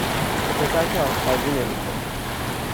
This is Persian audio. پسر که آشپزی نمیکنه